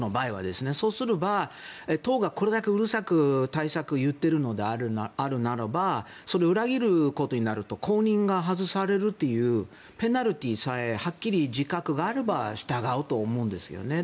そうすれば、党がこれだけうるさく対策を言っているのであるならばそれを裏切ることになると公認が外されるというペナルティーさえはっきり自覚があれば従うと思うんですよね。